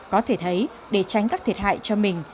có thể thấy để tránh các thiệt hại cho mình